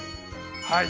はい。